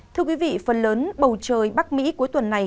thưa quý vị phần lớn bầu trời bắc mỹ cuối tuần này